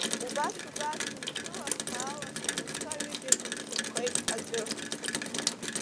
Убас-убас, мчыла-хаала сԥацәа аҩыџьагь нсырхеит, аӡәы…